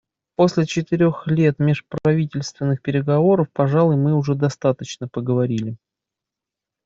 После четырех лет межправительственных переговоров, пожалуй, мы уже достаточно поговорили.